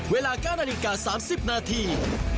เวลา๙นาฬิกา๓๐นาที